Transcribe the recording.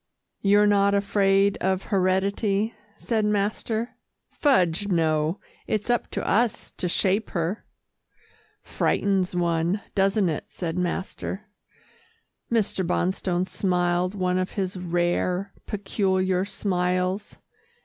"You're not afraid of heredity?" said master. "Fudge, no it's up to us to shape her." "Frightens one, doesn't it," said master. Mr. Bonstone smiled one of his rare, peculiar smiles.